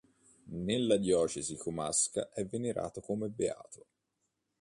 Nella diocesi comasca è venerato come beato.